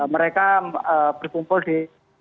mereka berkumpul di